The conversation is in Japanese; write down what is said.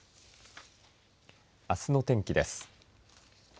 あすの天気です。